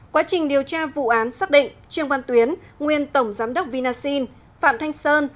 quá trình điều tra vụ án xác định trương văn tuyến nguyên tổng giám đốc vinasin phạm thanh sơn